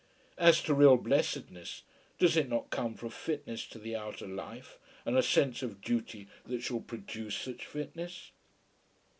As to real blessedness, does it not come from fitness to the outer life and a sense of duty that shall produce such fitness?